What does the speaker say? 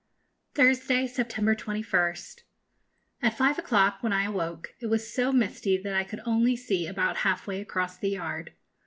Thursday, September 21st. At five o'clock, when I awoke, it was so misty that I could only see about half way across the yard.